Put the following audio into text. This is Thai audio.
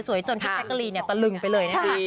สวยจนพี่แพ็คเกอรีตะลึงไปเลยนะครับ